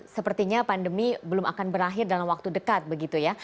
sepertinya pandemi belum akan berakhir dalam waktu dekat begitu ya